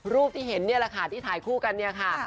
รูปที่เห็นนี่แหละค่ะที่ถ่ายคู่กันเนี่ยค่ะ